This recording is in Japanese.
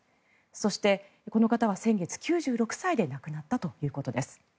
そして、この方は先月９６歳で亡くなったということです。